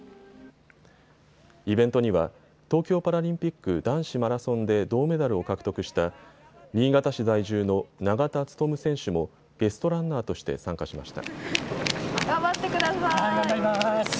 イベントには東京パラリンピック男子マラソンで銅メダルを獲得した新潟市在住の永田務選手もゲストランナーとして参加しました。